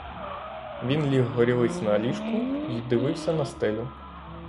Він ліг горілиць на ліжку й дивився на стелю.